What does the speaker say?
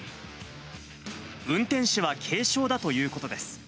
運転手は軽傷だということです。